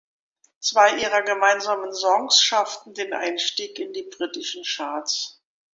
Zwei ihrer gemeinsamen Songs schafften den Einstieg in die britischen Charts.